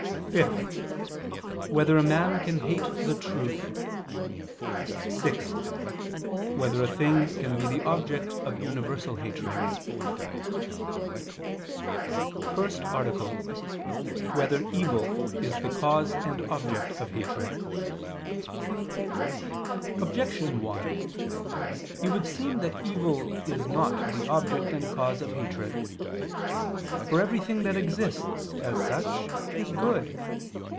(5) Whether a man can hate the truth? (6) Whether a thing can be the object of universal hatred? ________________________ FIRST ARTICLE [I II, Q. 29, Art. 1] Whether Evil Is the Cause and Object of Hatred? Objection 1: It would seem that evil is not the object and cause of hatred. For everything that exists, as such, is good.